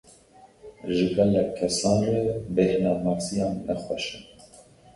Ji gelek kesan re, bêhna masiyan ne xweş e.